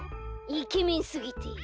イケメンすぎてごめん。